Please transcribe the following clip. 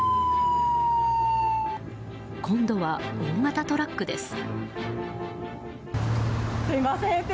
今度は大型トラックです。